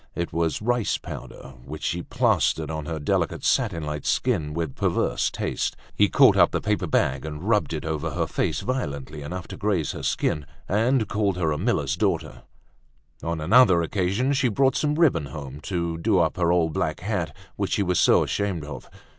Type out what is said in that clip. It was rice powder, which she plastered on her delicate satin like skin with perverse taste. He caught up the paper bag and rubbed it over her face violently enough to graze her skin and called her a miller's daughter. On another occasion she brought some ribbon home, to do up her old black hat which she was so ashamed of.